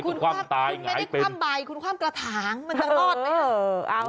คุณคว่ำคุณไม่ได้คว่ำใบคุณคว่ำกระถางมันจะรอด